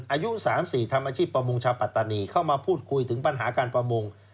อายุ๓๔ทำอาชีพประมงชาวปัตตานีเข้ามาพูดคุยถึงปัญหาการประมง